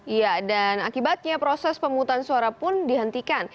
iya dan akibatnya proses pemungutan suara pun dihentikan